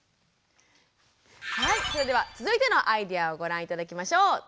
はいそれでは続いてのアイデアをご覧頂きましょう。